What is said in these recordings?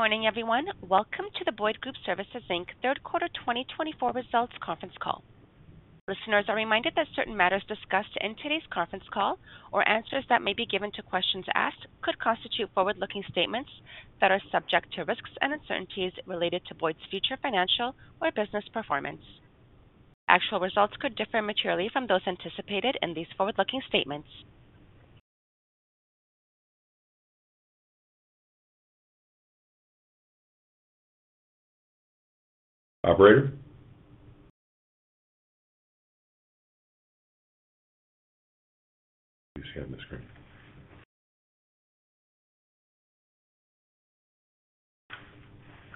Good morning, everyone. Welcome to the Boyd Group Services Inc. Q3 2024 results conference call. Listeners are reminded that certain matters discussed in today's conference call, or answers that may be given to questions asked, could constitute forward-looking statements that are subject to risks and uncertainties related to Boyd's future financial or business performance. Actual results could differ materially from those anticipated in these forward-looking statements. Operator? You just gotta have the screen.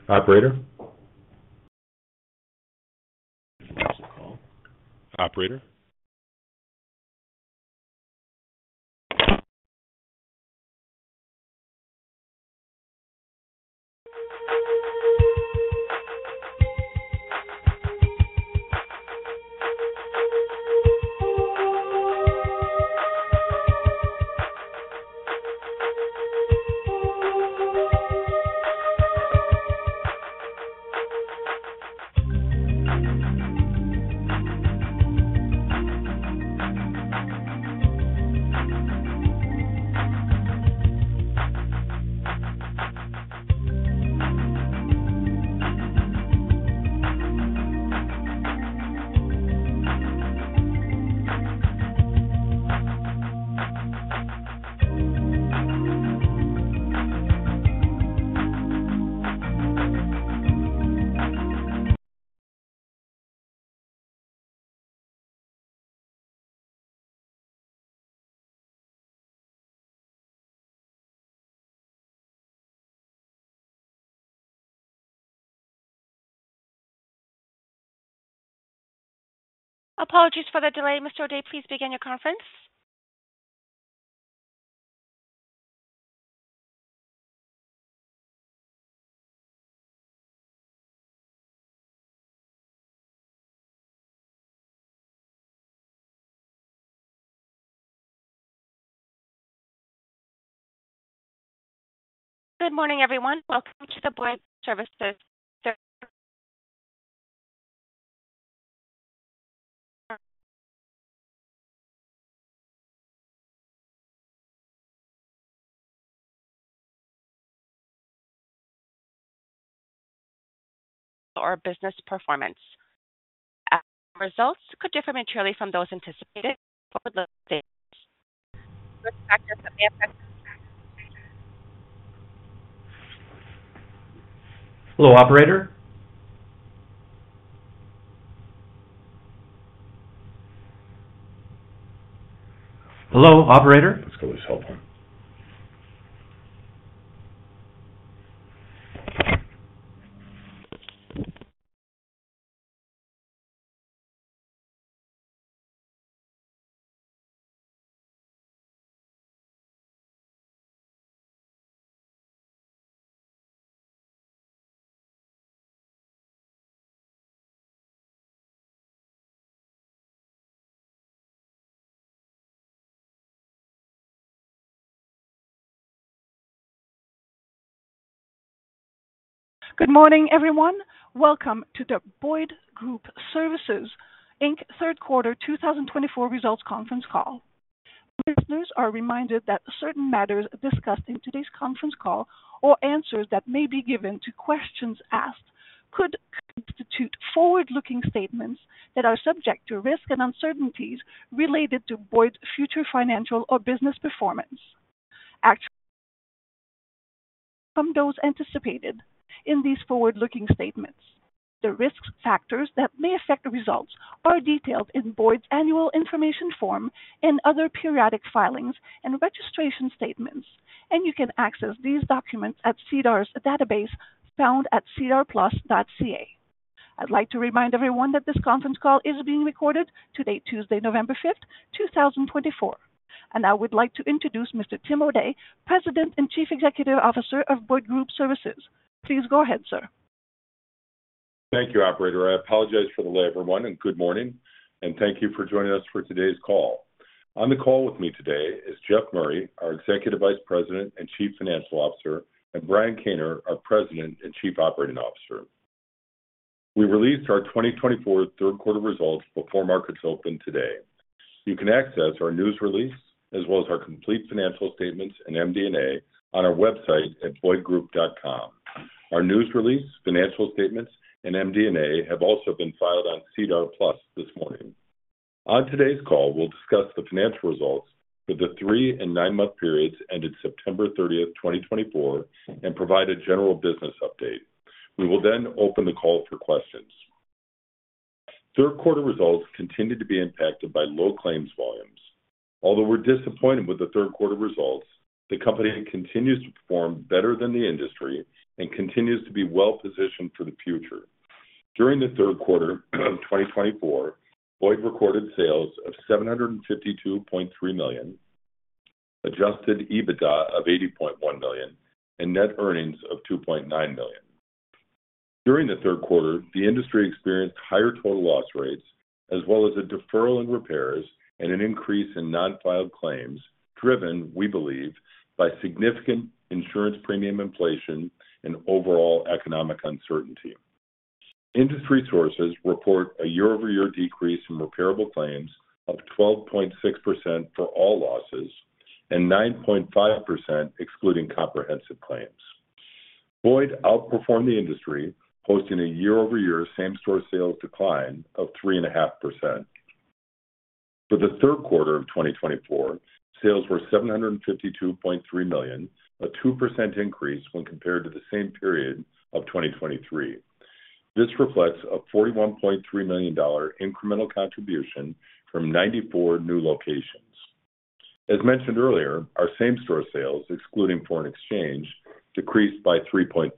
Operator? This is the call. Operator? Apologies for the delay. Mr. O'Day, please begin your conference. Good morning, everyone. Welcome to the Boyd Group Services. Our business performance. Actual results could differ materially from those anticipated forward-looking statements. Hello, operator? Hello, operator? Let's go to his help line. Good morning, everyone. Welcome to the Boyd Group Services Inc. Q3 2024 results conference call. Listeners are reminded that certain matters discussed in today's conference call, or answers that may be given to questions asked, could constitute forward-looking statements that are subject to risks and uncertainties related to Boyd's future financial or business performance. Actual results from those anticipated in these forward-looking statements. The risk factors that may affect results are detailed in Boyd's annual information form, in other periodic filings, and registration statements, and you can access these documents at SEDAR+'s database found at sedarplus.ca. I'd like to remind everyone that this conference call is being recorded. Today is Tuesday, November 5, 2024, and I would like to introduce Mr. Tim O'Day, President and Chief Executive Officer of Boyd Group Services. Please go ahead, sir. Thank you, operator. I apologize for being late, everyone, and good morning. Thank you for joining us for today's call. On the call with me today is Jeff Murray, our Executive Vice President and Chief Financial Officer, and Brian Kaner, our President and Chief Operating Officer. We released our 2024 Q3 results before markets open today. You can access our news release, as well as our complete financial statements and MD&A on our website at boydgroup.com. Our news release, financial statements, and MD&A have also been filed on SEDAR+ this morning. On today's call, we'll discuss the financial results for the three and nine-month periods ended September 30, 2024, and provide a general business update. We will then open the call for questions. Q3 results continue to be impacted by low claims volumes. Although we're disappointed with the Q3 results, the company continues to perform better than the industry and continues to be well-positioned for the future. During the Q3 of 2024, Boyd recorded sales of $752.3 million, adjusted EBITDA of $80.1 million, and net earnings of $2.9 million. During the Q3, the industry experienced higher total loss rates, as well as a deferral in repairs and an increase in non-filed claims, driven, we believe, by significant insurance premium inflation and overall economic uncertainty. Industry sources report a year-over-year decrease in repairable claims of 12.6% for all losses and 9.5% excluding comprehensive claims. Boyd outperformed the industry, posting a year-over-year same-store sales decline of 3.5%. For the Q3 of 2024, sales were $752.3 million, a 2% increase when compared to the same period of 2023. This reflects a $41.3 million incremental contribution from 94 new locations. As mentioned earlier, our same-store sales, excluding foreign exchange, decreased by 3.5%.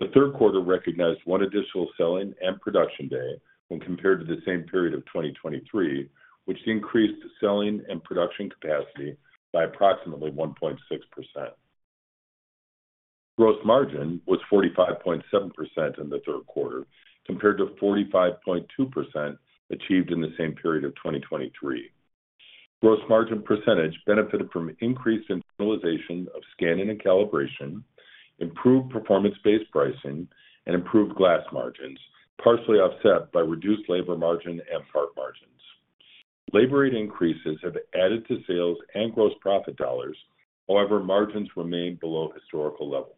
The Q3 recognized one additional selling and production day when compared to the same period of 2023, which increased selling and production capacity by approximately 1.6%. Gross margin was 45.7% in the Q3, compared to 45.2% achieved in the same period of 2023. Gross margin percentage benefited from increased internalization of scanning and calibration, improved performance-based pricing, and improved glass margins, partially offset by reduced labor margin and part margins. Labor rate increases have added to sales and gross profit dollars. However, margins remain below historical levels.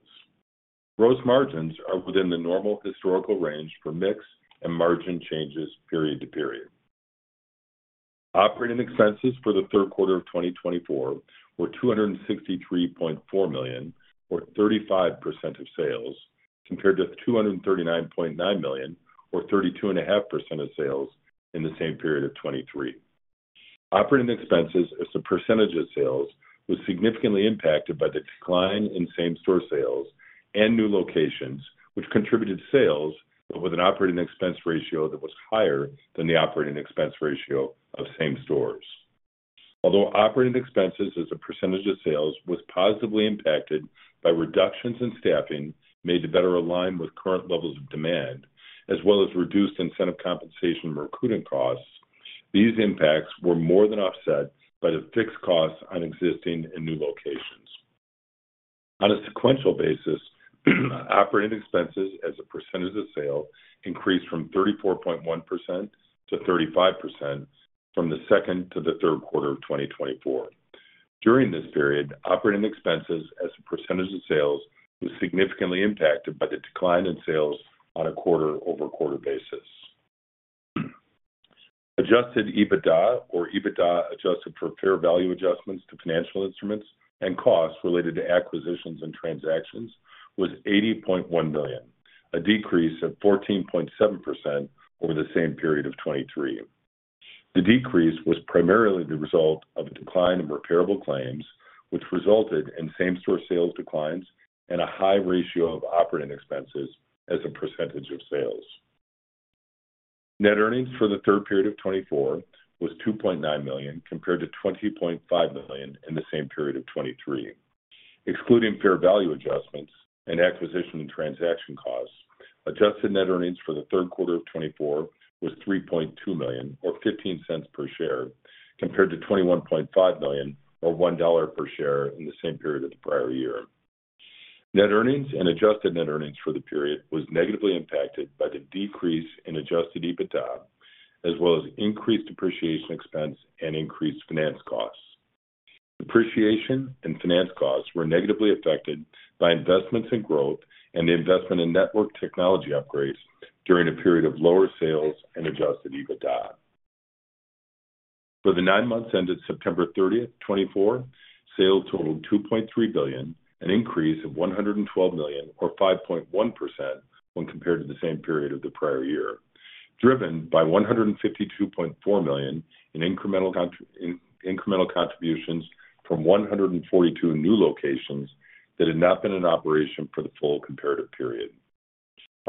Gross margins are within the normal historical range for mix and margin changes period to period. Operating expenses for the Q3 of 2024 were $263.4 million, or 35% of sales, compared to $239.9 million, or 32.5% of sales, in the same period of 2023. Operating expenses as a percentage of sales was significantly impacted by the decline in same-store sales and new locations, which contributed sales with an operating expense ratio that was higher than the operating expense ratio of same stores. Although operating expenses as a percentage of sales was positively impacted by reductions in staffing made to better align with current levels of demand, as well as reduced incentive compensation recruiting costs, these impacts were more than offset by the fixed costs on existing and new locations. On a sequential basis, operating expenses as a percentage of sales increased from 34.1% to 35% from the second to the third quarter of 2024. During this period, operating expenses as a percentage of sales was significantly impacted by the decline in sales on a quarter-over-quarter basis. Adjusted EBITDA, or EBITDA adjusted for fair value adjustments to financial instruments and costs related to acquisitions and transactions, was $80.1 million, a decrease of 14.7% over the same period of 2023. The decrease was primarily the result of a decline in repairable claims, which resulted in same-store sales declines and a high ratio of operating expenses as a percentage of sales. Net earnings for the Q3 of 2024 was $2.9 million, compared to $20.5 million in the same period of 2023. Excluding fair value adjustments and acquisition and transaction costs, adjusted net earnings for the Q3 of 2024 was $3.2 million, or $0.15 per share, compared to $21.5 million, or $1 per share in the same period of the prior year. Net earnings and adjusted net earnings for the period were negatively impacted by the decrease in Adjusted EBITDA, as well as increased depreciation expense and increased finance costs. Depreciation and finance costs were negatively affected by investments in growth and investment in network technology upgrades during a period of lower sales and Adjusted EBITDA. For the nine months ended September 30, 2024, sales totaled $2.3 billion, an increase of $112 million, or 5.1% when compared to the same period of the prior year, driven by $152.4 million in incremental contributions from 142 new locations that had not been in operation for the full comparative period.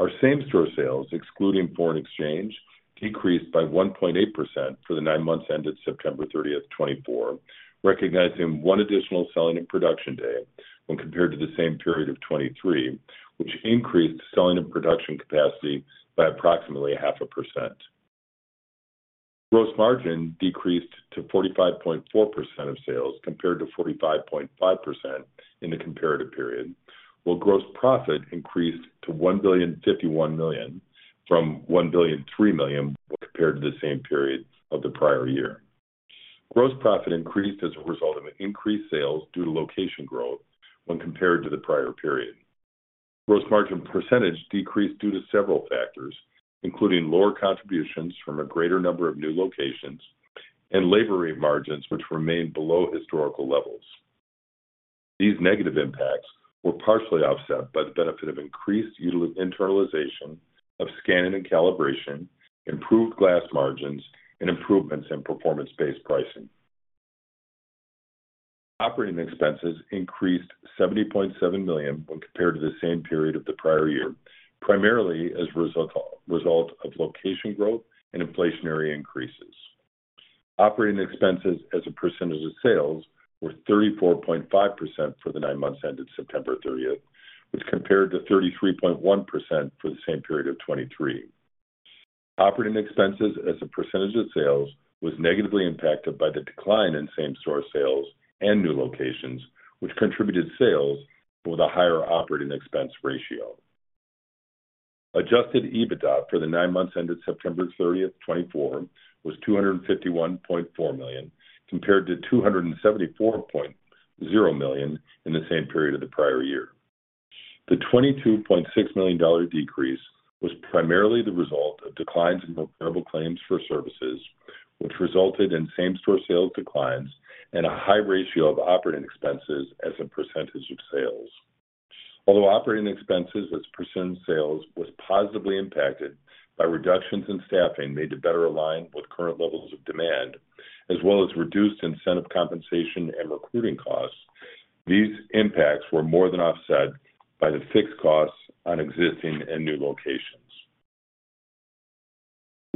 Our same-store sales, excluding foreign exchange, decreased by 1.8% for the nine months ended September 30, 2024, recognizing one additional selling and production day when compared to the same period of 2023, which increased selling and production capacity by approximately 0.5%. Gross margin decreased to 45.4% of sales compared to 45.5% in the comparative period, while gross profit increased to $1,051,000,000 from $1,003,000,000 when compared to the same period of the prior year. Gross profit increased as a result of increased sales due to location growth when compared to the prior period. Gross margin percentage decreased due to several factors, including lower contributions from a greater number of new locations and labor rate margins, which remained below historical levels. These negative impacts were partially offset by the benefit of increased internalization of scanning and calibration, improved glass margins, and improvements in performance-based pricing. Operating expenses increased $70.7 million when compared to the same period of the prior year, primarily as a result of location growth and inflationary increases. Operating expenses as a percentage of sales were 34.5% for the nine months ended September 30, which compared to 33.1% for the same period of 2023. Operating expenses as a percentage of sales was negatively impacted by the decline in same-store sales and new locations, which contributed sales with a higher operating expense ratio. Adjusted EBITDA for the nine months ended September 30, 2024, was $251.4 million, compared to $274.0 million in the same period of the prior year. The $22.6 million decrease was primarily the result of declines in repairable claims for services, which resulted in same-store sales declines and a high ratio of operating expenses as a percentage of sales. Although operating expenses as a percentage of sales was positively impacted by reductions in staffing made to better align with current levels of demand, as well as reduced incentive compensation and recruiting costs, these impacts were more than offset by the fixed costs on existing and new locations.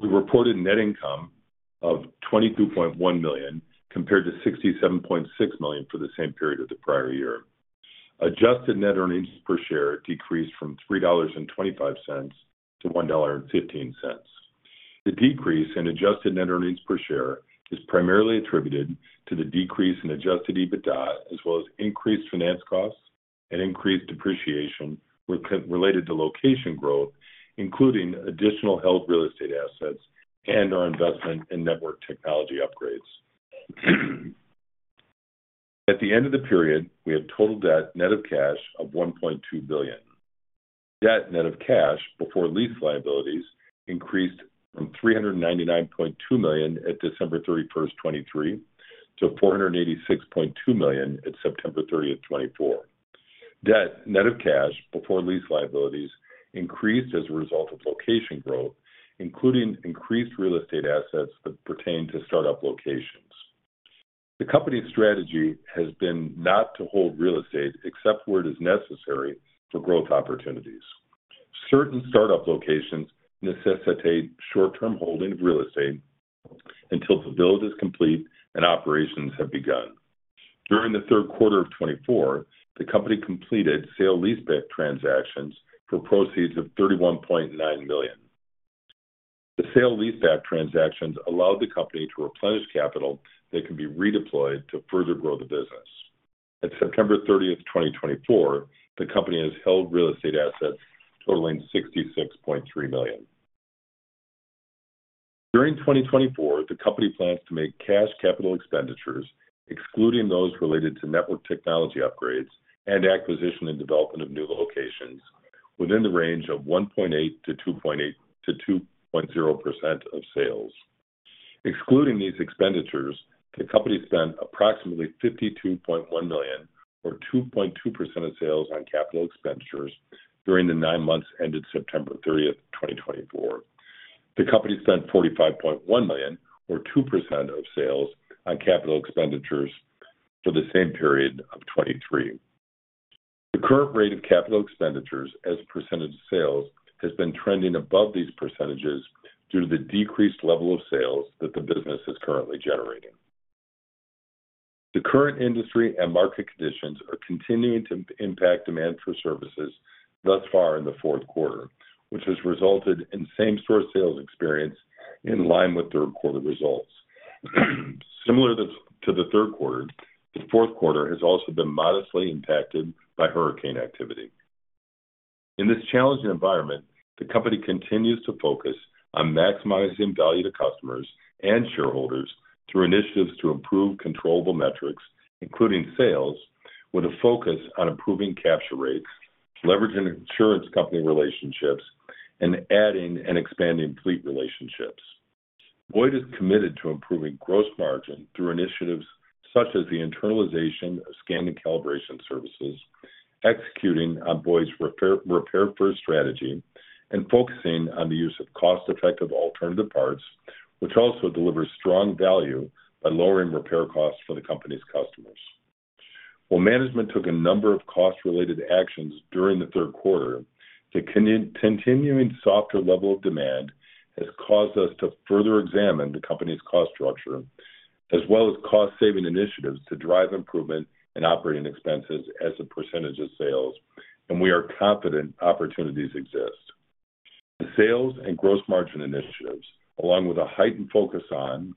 We reported net income of $22.1 million compared to $67.6 million for the same period of the prior year. Adjusted net earnings per share decreased from $3.25 to $1.15. The decrease in Adjusted net earnings per share is primarily attributed to the decrease in Adjusted EBITDA, as well as increased finance costs and increased depreciation related to location growth, including additional held real estate assets and our investment in network technology upgrades. At the end of the period, we had total debt net of cash of $1.2 billion. Debt net of cash before lease liabilities increased from $399.2 million at December 31, 2023, to $486.2 million at September 30, 2024. Debt net of cash before lease liabilities increased as a result of location growth, including increased real estate assets that pertain to startup locations. The company's strategy has been not to hold real estate except where it is necessary for growth opportunities. Certain startup locations necessitate short-term holding of real estate until the build is complete and operations have begun. During the Q3 of 2024, the company completed sale leaseback transactions for proceeds of $31.9 million. The sale leaseback transactions allowed the company to replenish capital that can be redeployed to further grow the business. At September 30, 2024, the company has held real estate assets totaling $66.3 million. During 2024, the company plans to make cash capital expenditures, excluding those related to network technology upgrades and acquisition and development of new locations, within the range of 1.8%-2.0% of sales. Excluding these expenditures, the company spent approximately $52.1 million, or 2.2% of sales, on capital expenditures during the nine months ended September 30, 2024. The company spent $45.1 million, or 2% of sales, on capital expenditures for the same period of 2023. The current rate of capital expenditures as a percentage of sales has been trending above these percentages due to the decreased level of sales that the business is currently generating. The current industry and market conditions are continuing to impact demand for services thus far in the Q4, which has resulted in same-store sales experience in line with Q3 results. Similar to the Q3, the Q4 has also been modestly impacted by hurricane activity. In this challenging environment, the company continues to focus on maximizing value to customers and shareholders through initiatives to improve controllable metrics, including sales, with a focus on improving capture rates, leveraging insurance company relationships, and adding and expanding fleet relationships. Boyd is committed to improving gross margin through initiatives such as the internalization of scanning calibration services, executing on Boyd's Repair First strategy, and focusing on the use of cost-effective alternative parts, which also delivers strong value by lowering repair costs for the company's customers. While management took a number of cost-related actions during the Q3, the continuing softer level of demand has caused us to further examine the company's cost structure, as well as cost-saving initiatives to drive improvement in operating expenses as a percentage of sales, and we are confident opportunities exist. The sales and gross margin initiatives, along with a heightened focus on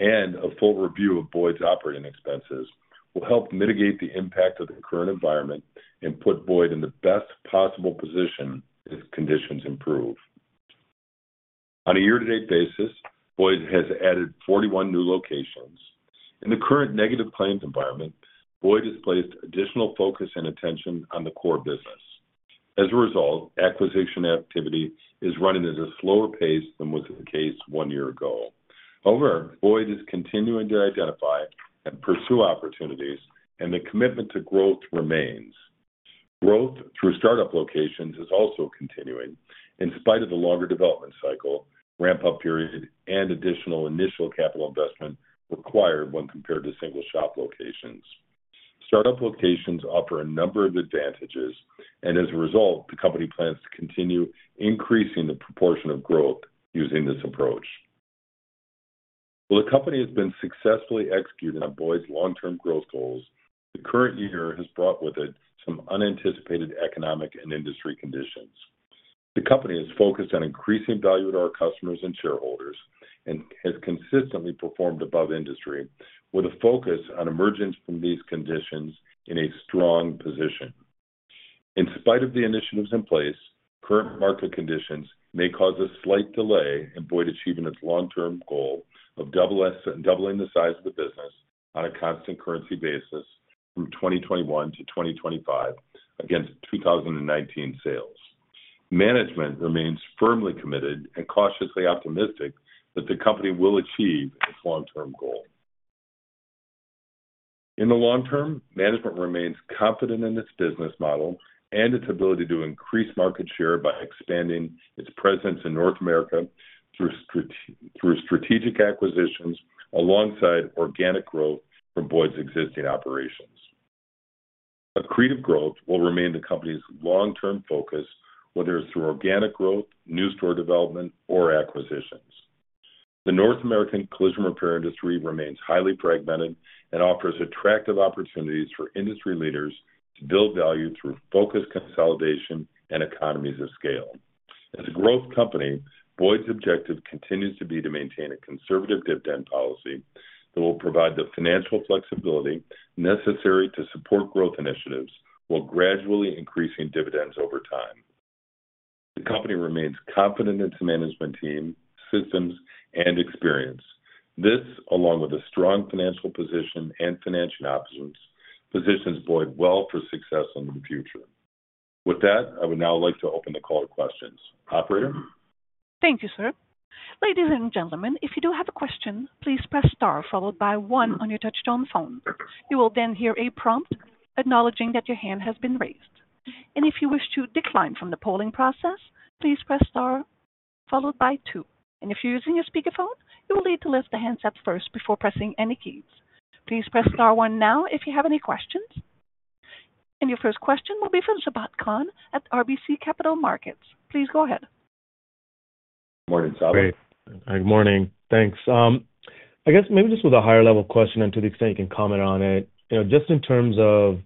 and a full review of Boyd's operating expenses, will help mitigate the impact of the current environment and put Boyd in the best possible position if conditions improve. On a year-to-date basis, Boyd has added 41 new locations. In the current negative claims environment, Boyd has placed additional focus and attention on the core business. As a result, acquisition activity is running at a slower pace than was the case one year ago. However, Boyd is continuing to identify and pursue opportunities, and the commitment to growth remains. Growth through startup locations is also continuing, in spite of the longer development cycle, ramp-up period, and additional initial capital investment required when compared to single-shop locations. Startup locations offer a number of advantages, and as a result, the company plans to continue increasing the proportion of growth using this approach. While the company has been successfully executing on Boyd's long-term growth goals, the current year has brought with it some unanticipated economic and industry conditions. The company has focused on increasing value to our customers and shareholders and has consistently performed above industry, with a focus on emergence from these conditions in a strong position. In spite of the initiatives in place, current market conditions may cause a slight delay in Boyd achieving its long-term goal of doubling the size of the business on a constant currency basis from 2021 to 2025 against 2019 sales. Management remains firmly committed and cautiously optimistic that the company will achieve its long-term goal. In the long term, management remains confident in its business model and its ability to increase market share by expanding its presence in North America through strategic acquisitions alongside organic growth from Boyd's existing operations. Accretive growth will remain the company's long-term focus, whether it's through organic growth, new store development, or acquisitions. The North American collision repair industry remains highly fragmented and offers attractive opportunities for industry leaders to build value through focused consolidation and economies of scale. As a growth company, Boyd's objective continues to be to maintain a conservative dividend policy that will provide the financial flexibility necessary to support growth initiatives while gradually increasing dividends over time. The company remains confident in its management team, systems, and experience. This, along with a strong financial position and financial options, positions Boyd well for success in the future. With that, I would now like to open the call to questions. Operator? Thank you, sir. Ladies and gentlemen, if you do have a question, please press star followed by one on your touch-tone phone. You will then hear a prompt acknowledging that your hand has been raised. And if you wish to decline from the polling process, please press star followed by two. And if you're using your speakerphone, you will need to lift the handset up first before pressing any keys. Please press star one now if you have any questions. And your first question will be from Sabahat Khan at RBC Capital Markets. Please go ahead. Good morning, Sabahat. Good morning. Thanks. I guess maybe just with a higher-level question and to the extent you can comment on it, just in terms of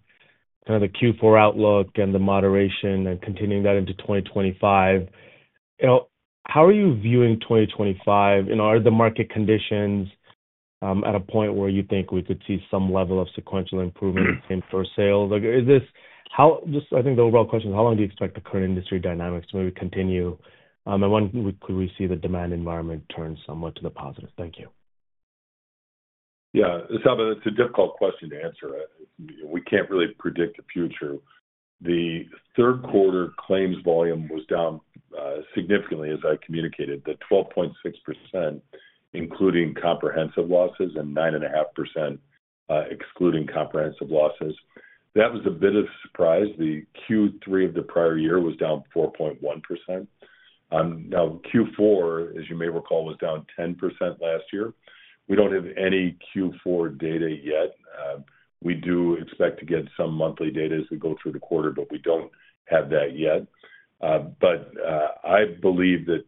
kind of the Q4 outlook and the moderation and continuing that into 2025, how are you viewing 2025? Are the market conditions at a point where you think we could see some level of sequential improvement in store sales? Just I think the overall question is, how long do you expect the current industry dynamics to maybe continue? And when could we see the demand environment turn somewhat to the positive? Thank you. Yeah. Sabahat, it's a difficult question to answer. We can't really predict the future. The Q3 claims volume was down significantly, as I communicated, to 12.6%, including comprehensive losses, and 9.5%, excluding comprehensive losses. That was a bit of a surprise. The Q3 of the prior year was down 4.1%. Now, Q4, as you may recall, was down 10% last year. We don't have any Q4 data yet. We do expect to get some monthly data as we go through the quarter, but we don't have that yet, but I believe that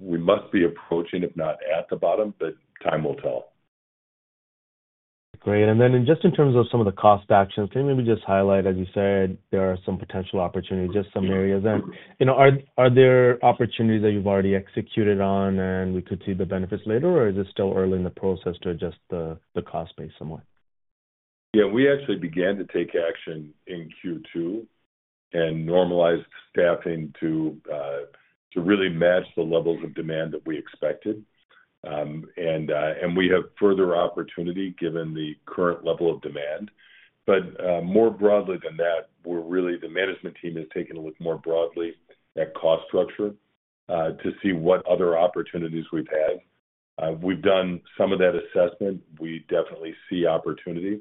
we must be approaching, if not at the bottom, but time will tell. Great. And then just in terms of some of the cost actions, can you maybe just highlight, as you said, there are some potential opportunities, just some areas, and are there opportunities that you've already executed on and we could see the benefits later, or is it still early in the process to adjust the cost base somewhat? Yeah. We actually began to take action in Q2 and normalized staffing to really match the levels of demand that we expected, and we have further opportunity given the current level of demand. But more broadly than that, the management team has taken a look more broadly at cost structure to see what other opportunities we've had. We've done some of that assessment. We definitely see opportunity,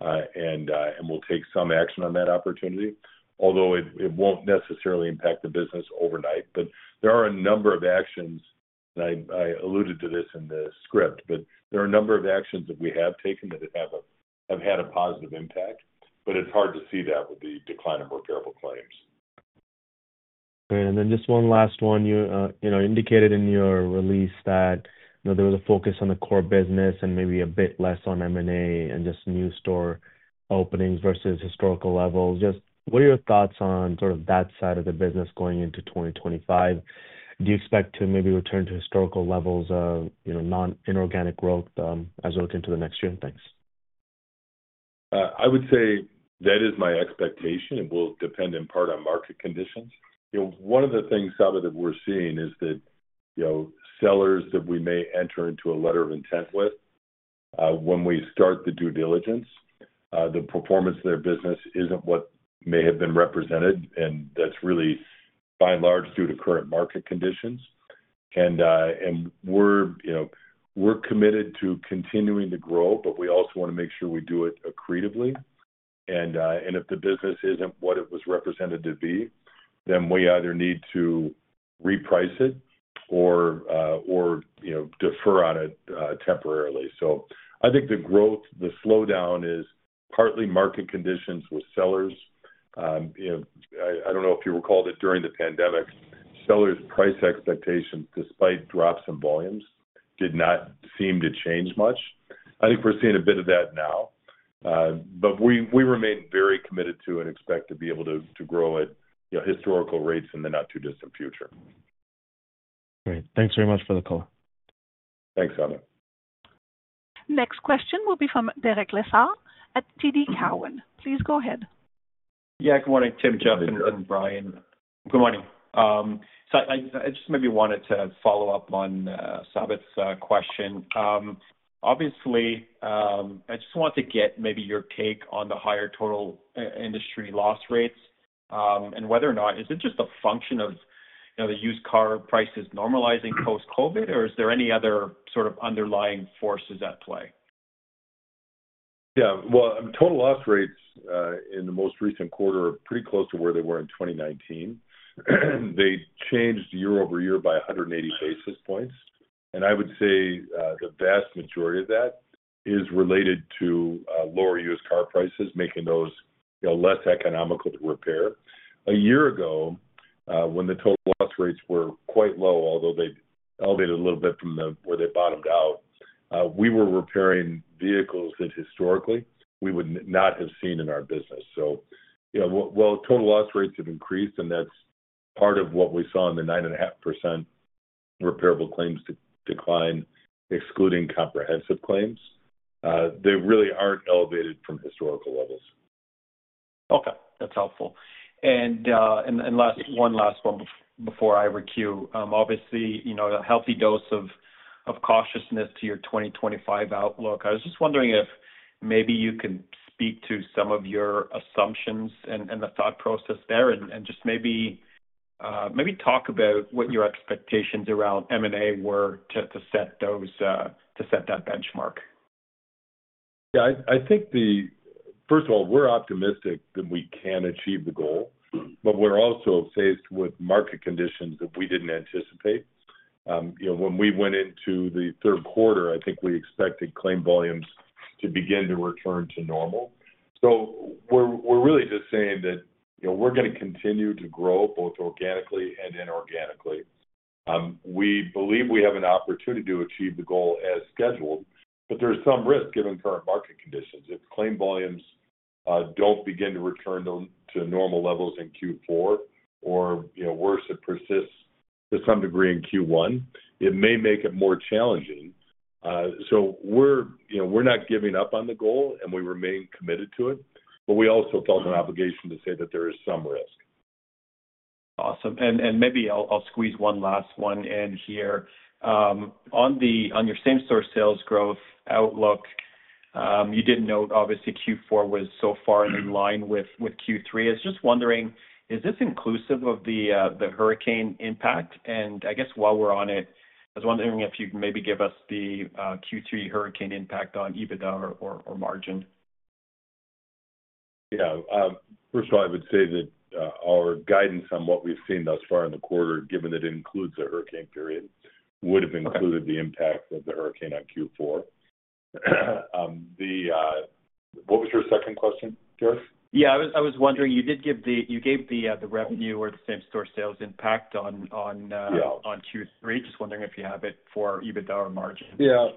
and we'll take some action on that opportunity, although it won't necessarily impact the business overnight. But there are a number of actions, and I alluded to this in the script, but there are a number of actions that we have taken that have had a positive impact. But it's hard to see that with the decline of repairable claims. Great. And then just one last one. You indicated in your release that there was a focus on the core business and maybe a bit less on M&A and just new store openings versus historical levels. Just what are your thoughts on sort of that side of the business going into 2025? Do you expect to maybe return to historical levels of non-inorganic growth as we look into the next year? Thanks. I would say that is my expectation. It will depend in part on market conditions. One of the things, Sabahat, that we're seeing is that sellers that we may enter into a letter of intent with, when we start the due diligence, the performance of their business isn't what may have been represented, and that's really, by and large, due to current market conditions. And we're committed to continuing to grow, but we also want to make sure we do it accretively. And if the business isn't what it was represented to be, then we either need to reprice it or defer on it temporarily. So I think the growth, the slowdown, is partly market conditions with sellers. I don't know if you recall that during the pandemic, sellers' price expectations, despite drops in volumes, did not seem to change much. I think we're seeing a bit of that now. But we remain very committed to and expect to be able to grow at historical rates in the not-too-distant future. Great. Thanks very much for the call. Thanks, Sabahat. Next question will be from Derek Lessard at TD Cowen. Please go ahead. Yeah. Good morning. Tim. Jeff. Good morning. Brian. Good morning. So I just maybe wanted to follow up on Sabahat's question. Obviously, I just wanted to get maybe your take on the higher total industry loss rates and whether or not is it just a function of the used car prices normalizing post-COVID, or is there any other sort of underlying forces at play? Yeah. Total loss rates in the most recent quarter are pretty close to where they were in 2019. They changed year over year by 180 basis points. I would say the vast majority of that is related to lower used car prices, making those less economical to repair. A year ago, when the total loss rates were quite low, although they elevated a little bit from where they bottomed out, we were repairing vehicles that historically we would not have seen in our business. While total loss rates have increased, and that's part of what we saw in the 9.5% repairable claims decline, excluding comprehensive claims, they really aren't elevated from historical levels. Okay. That's helpful. One last one before I re-queue. Obviously, a healthy dose of cautiousness to your 2025 outlook. I was just wondering if maybe you could speak to some of your assumptions and the thought process there and just maybe talk about what your expectations around M&A were to set that benchmark. Yeah. I think, first of all, we're optimistic that we can achieve the goal, but we're also faced with market conditions that we didn't anticipate. When we went into the Q3, I think we expected claim volumes to begin to return to normal. So we're really just saying that we're going to continue to grow both organically and inorganically. We believe we have an opportunity to achieve the goal as scheduled, but there's some risk given current market conditions. If claim volumes don't begin to return to normal levels in Q4 or, worse, it persists to some degree in Q1, it may make it more challenging. So we're not giving up on the goal, and we remain committed to it, but we also felt an obligation to say that there is some risk. Awesome. And maybe I'll squeeze one last one in here. On your same-store sales growth outlook, you did note, obviously, Q4 was so far in line with Q3. I was just wondering, is this inclusive of the hurricane impact? And I guess while we're on it, I was wondering if you could maybe give us the Q3 hurricane impact on EBITDA or margin. Yeah. First of all, I would say that our guidance on what we've seen thus far in the quarter, given that it includes the hurricane period, would have included the impact of the hurricane on Q4. What was your second question, Derek? Yeah. I was wondering, you gave the revenue or the same-store sales impact on Q3. Just wondering if you have it for EBITDA or margin. Yeah.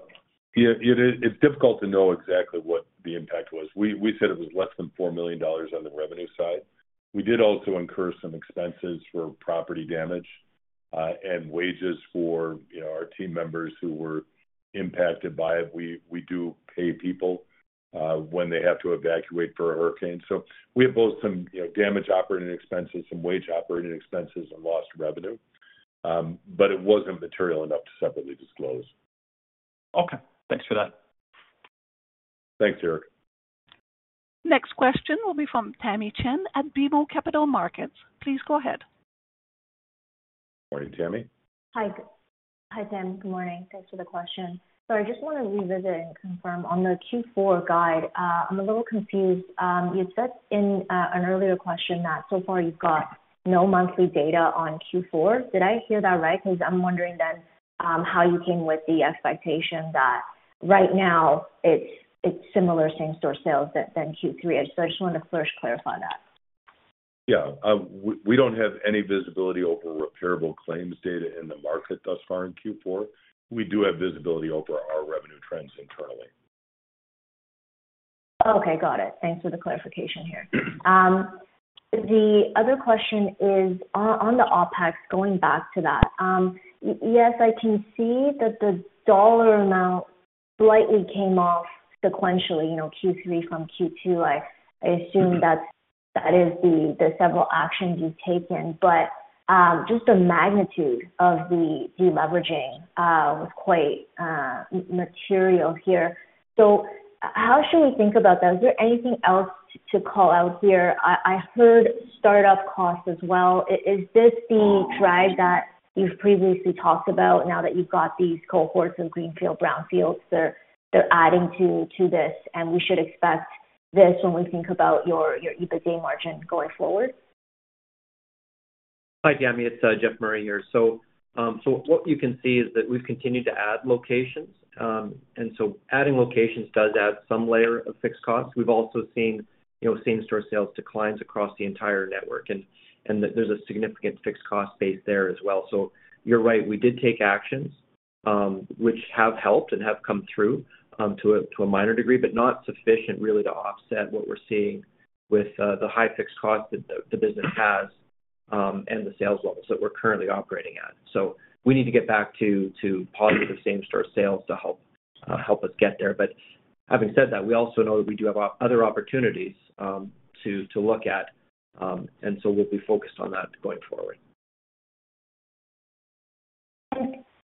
It's difficult to know exactly what the impact was. We said it was less than $4 million on the revenue side. We did also incur some expenses for property damage and wages for our team members who were impacted by it. We do pay people when they have to evacuate for a hurricane. So we have both some damage operating expenses, some wage operating expenses, and lost revenue. But it wasn't material enough to separately disclose. Okay. Thanks for that. Thanks, Derek. Next question will be from Tammy Chen at BMO Capital Markets. Please go ahead. Morning, Tammy. Hi, Tim. Good morning. Thanks for the question. So I just want to revisit and confirm on the Q4 guide. I'm a little confused. You said in an earlier question that so far you've got no monthly data on Q4. Did I hear that right? Because I'm wondering then how you came with the expectation that right now it's similar same-store sales than Q3. So I just wanted to first clarify that. Yeah. We don't have any visibility over repairable claims data in the market thus far in Q4. We do have visibility over our revenue trends internally. Okay. Got it. Thanks for the clarification here. The other question is on the OpEx, going back to that. Yes, I can see that the dollar amount slightly came off sequentially, Q3 from Q2. I assume that is the several actions you've taken. But just the magnitude of the deleveraging was quite material here. So how should we think about that? Is there anything else to call out here? I heard startup costs as well. Is this the drive that you've previously talked about now that you've got these cohorts of greenfield, brownfields? They're adding to this, and we should expect this when we think about your EBITDA margin going forward. Hi, Tammy. It's Jeff Murray here. So what you can see is that we've continued to add locations, and so adding locations does add some layer of fixed costs. We've also seen same-store sales declines across the entire network, and there's a significant fixed cost base there as well. So you're right. We did take actions, which have helped and have come through to a minor degree, but not sufficient really to offset what we're seeing with the high fixed costs that the business has and the sales levels that we're currently operating at. So we need to get back to positive same-store sales to help us get there. But having said that, we also know that we do have other opportunities to look at. And so we'll be focused on that going forward.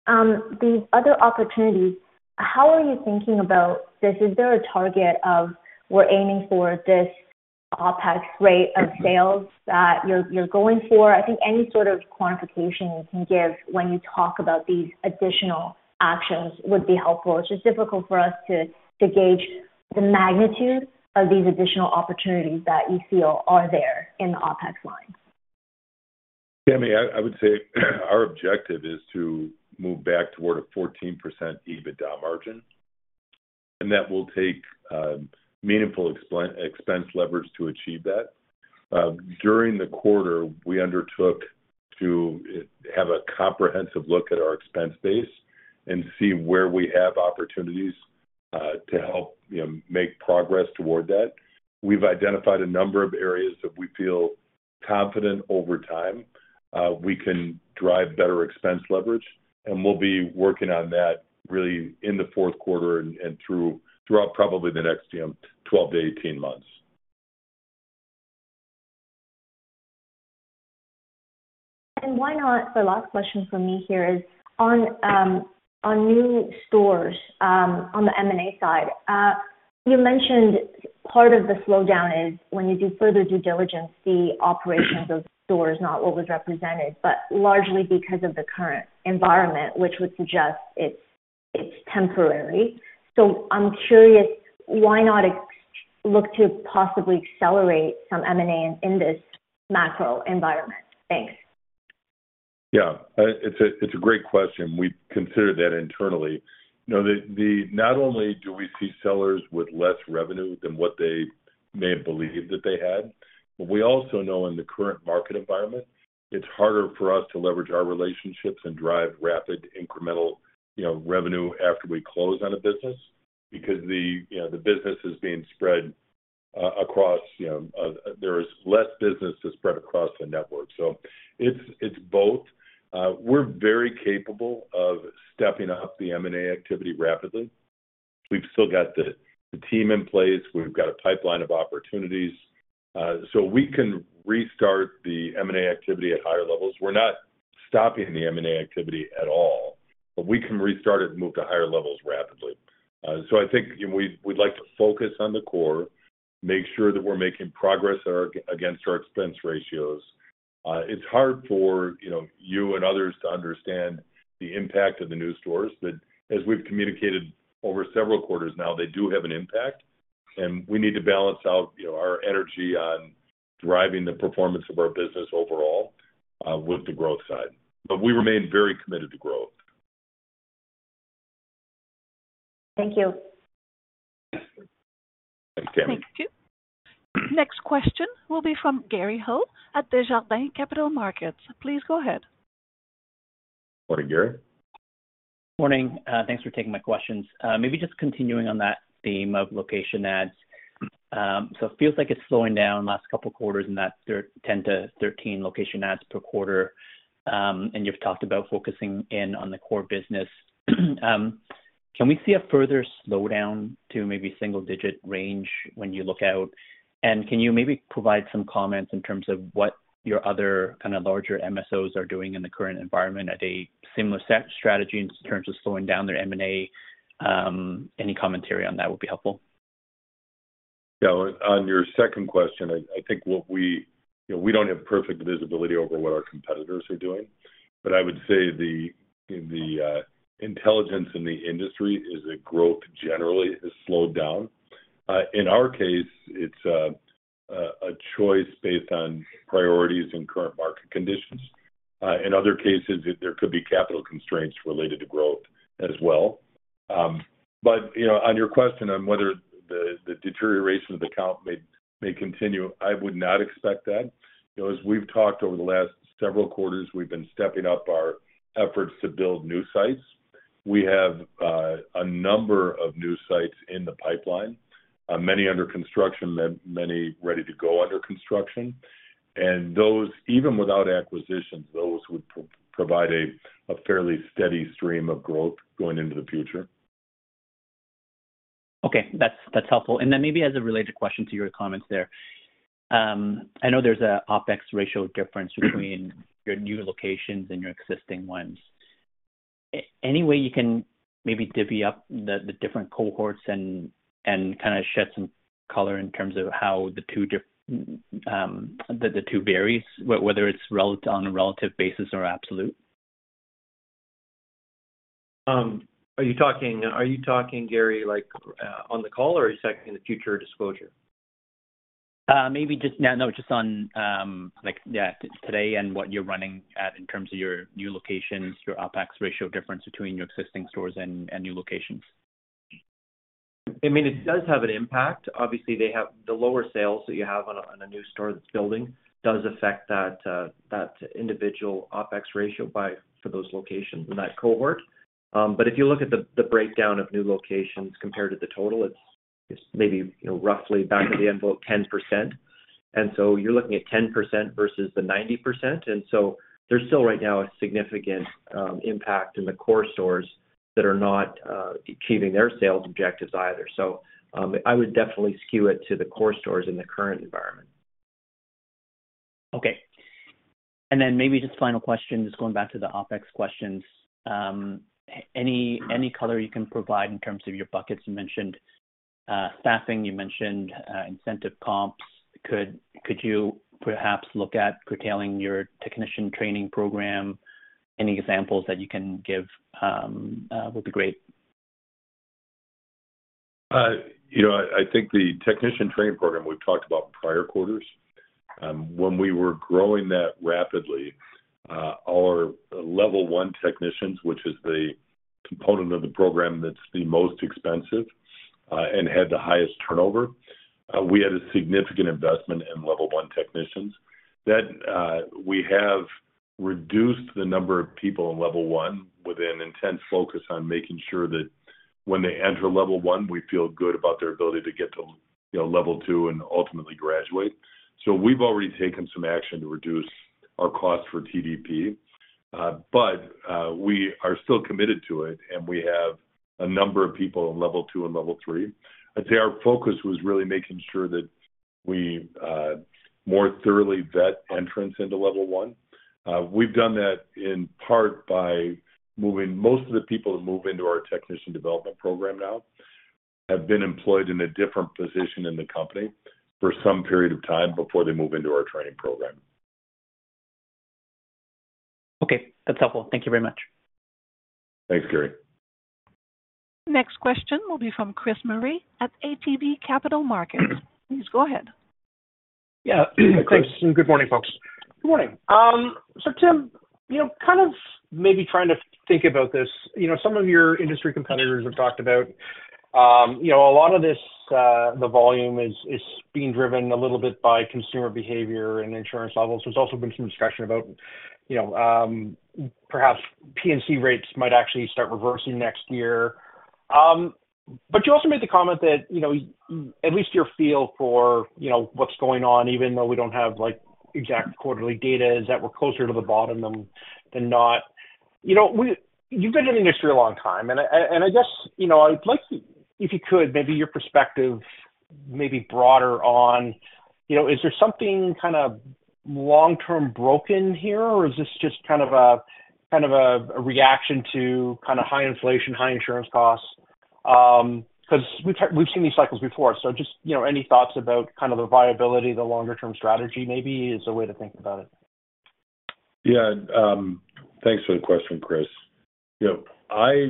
And the other opportunities, how are you thinking about this? Is there a target of, "We're aiming for this OPEX rate of sales that you're going for"? I think any sort of quantification you can give when you talk about these additional actions would be helpful. It's just difficult for us to gauge the magnitude of these additional opportunities that you feel are there in the OPEX line. Tammy, I would say our objective is to move back toward a 14% EBITDA margin. And that will take meaningful expense leverage to achieve that. During the quarter, we undertook to have a comprehensive look at our expense base and see where we have opportunities to help make progress toward that. We've identified a number of areas that we feel confident over time we can drive better expense leverage. And we'll be working on that really in the Q4 and throughout probably the next 12 to 18 months. And the last question for me here is on new stores on the M&A side. You mentioned part of the slowdown is when you do further due diligence, the operations of stores not what was represented, but largely because of the current environment, which would suggest it's temporary. So I'm curious, why not look to possibly accelerate some M&A in this macro environment? Thanks. Yeah. It's a great question. We consider that internally. Not only do we see sellers with less revenue than what they may have believed that they had, but we also know in the current market environment, it's harder for us to leverage our relationships and drive rapid incremental revenue after we close on a business because the business is being spread across. There is less business to spread across the network. So it's both. We're very capable of stepping up the M&A activity rapidly. We've still got the team in place. We've got a pipeline of opportunities. So we can restart the M&A activity at higher levels. We're not stopping the M&A activity at all, but we can restart it and move to higher levels rapidly. So I think we'd like to focus on the core, make sure that we're making progress against our expense ratios. It's hard for you and others to understand the impact of the new stores, but as we've communicated over several quarters now, they do have an impact. And we need to balance out our energy on driving the performance of our business overall with the growth side. But we remain very committed to growth. Thank you. Thanks, Tammy. Thank you. Next question will be from Gary Ho at Desjardins Capital Markets. Please go ahead. Morning, Gary. Morning. Thanks for taking my questions. Maybe just continuing on that theme of location adds. So it feels like it's slowing down the last couple of quarters in that 10-13 location adds per quarter. And you've talked about focusing in on the core business. Can we see a further slowdown to maybe single-digit range when you look out? And can you maybe provide some comments in terms of what your other kind of larger MSOs are doing in the current environment at a similar strategy in terms of slowing down their M&A? Any commentary on that would be helpful. Yeah. On your second question, I think we don't have perfect visibility over what our competitors are doing. But I would say the intelligence in the industry is that growth generally has slowed down. In our case, it's a choice based on priorities and current market conditions. In other cases, there could be capital constraints related to growth as well. But on your question on whether the deterioration of the count may continue, I would not expect that. As we've talked over the last several quarters, we've been stepping up our efforts to build new sites. We have a number of new sites in the pipeline, many under construction, many ready to go under construction. Even without acquisitions, those would provide a fairly steady stream of growth going into the future. Okay. That's helpful, and then maybe as a related question to your comments there, I know there's an OpEx ratio difference between your new locations and your existing ones. Any way you can maybe divvy up the different cohorts and kind of shed some color in terms of how the two vary, whether it's on a relative basis or absolute? Are you talking, Gary, on the call, or are you talking in the future disclosure? Maybe just now, no, just on today and what you're running at in terms of your new locations, your OpEx ratio difference between your existing stores and new locations. I mean, it does have an impact. Obviously, the lower sales that you have on a new store that's building does affect that individual OpEx ratio for those locations in that cohort. But if you look at the breakdown of new locations compared to the total, it's maybe roughly back of the envelope, 10%. And so you're looking at 10% versus the 90%. And so there's still right now a significant impact in the core stores that are not achieving their sales objectives either. So I would definitely skew it to the core stores in the current environment. Okay. And then maybe just final question, just going back to the OpEx questions. Any color you can provide in terms of your buckets? You mentioned staffing. You mentioned incentive comps. Could you perhaps look at curtailing your technician training program? Any examples that you can give would be great. I think the technician training program we've talked about prior quarters, when we were growing that rapidly, our level one technicians, which is the component of the program that's the most expensive and had the highest turnover, we had a significant investment in level one technicians. That, we have reduced the number of people in level one with an intense focus on making sure that when they enter level one, we feel good about their ability to get to level two and ultimately graduate, so we've already taken some action to reduce our cost for TDP, but we are still committed to it, and we have a number of people in level two and level three. I'd say our focus was really making sure that we more thoroughly vet entrants into level one. We've done that in part by moving most of the people that move into our Technician Development Program now have been employed in a different position in the company for some period of time before they move into our training program. Okay. That's helpful. Thank you very much. Thanks, Gary. Next question will be from Chris Murray at ATB Capital Markets. Please go ahead. Yeah. Chris. Good morning, folks. Good morning. So, Tim, kind of maybe trying to think about this. Some of your industry competitors have talked about a lot of this. The volume is being driven a little bit by consumer behavior and insurance levels. There's also been some discussion about perhaps P&C rates might actually start reversing next year. But you also made the comment that at least you feel for what's going on, even though we don't have exact quarterly data, is that we're closer to the bottom than not. You've been in the industry a long time. And I guess I'd like, if you could, maybe your perspective maybe broader on, is there something kind of long-term broken here, or is this just kind of a reaction to kind of high inflation, high insurance costs? Because we've seen these cycles before. So just any thoughts about kind of the viability, the longer-term strategy maybe is a way to think about it. Yeah. Thanks for the question, Chris. I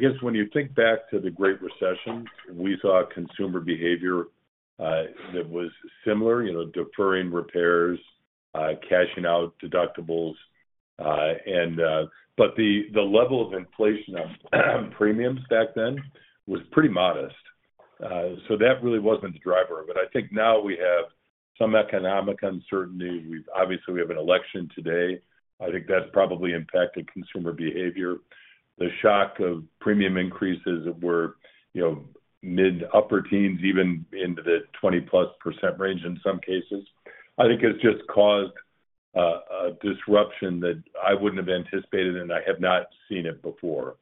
guess when you think back to the Great Recession, we saw consumer behavior that was similar, deferring repairs, cashing out deductibles. But the level of inflation on premiums back then was pretty modest. So that really wasn't the driver. But I think now we have some economic uncertainty. Obviously, we have an election today. I think that's probably impacted consumer behavior. The shock of premium increases that were mid-upper teens, even into the 20-plus% range in some cases, I think has just caused a disruption that I wouldn't have anticipated, and I have not seen it before.